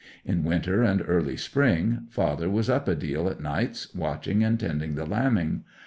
In winter and early spring father was up a deal at nights, watching and tending the lambing.